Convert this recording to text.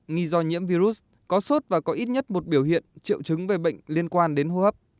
nghi do nhiễm virus có sốt và có ít nhất một biểu hiện triệu chứng về bệnh liên quan đến hô hấp